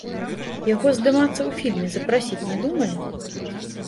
Яго здымацца ў фільме запрасіць не думалі?